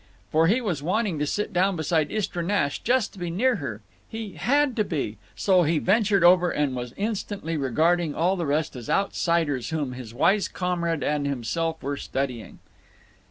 For he was wanting to sit down beside Istra Nash, just be near her; he had to be! So he ventured over and was instantly regarding all the rest as outsiders whom his wise comrade and himself were studying.